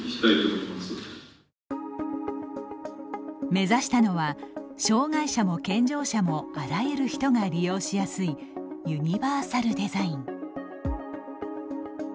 目指したのは障害者も健常者もあらゆる人が利用しやすいユニバーサルデザイン。